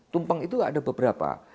tumpeng itu ada beberapa